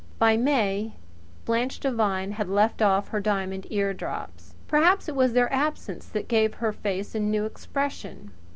By May, Blanche Devine had left off her diamond eardrops perhaps it was their absence that gave her face a new expression.